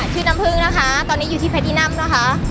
น้ำพึ่งนะคะตอนนี้อยู่ที่เพดีนัมนะคะ